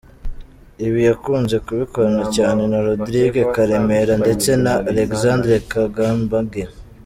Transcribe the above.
Ibi yakunze kubikorana cyane na Rodrigue Karemera ndetse na Alexandre Kagambage.